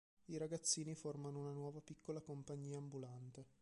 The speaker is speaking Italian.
I ragazzini formano una nuova piccola compagnia ambulante.